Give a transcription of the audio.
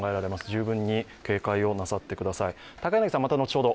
十分に警戒をなさってください。